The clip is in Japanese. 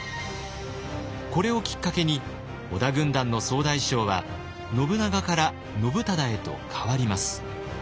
これをきっかけに織田軍団の総大将は信長から信忠へと代わります。